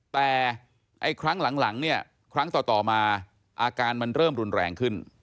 แต่ครั้งหลังเนี่ยครั้งต่อมาอาการมันเริ่มรุนแรงขึ้น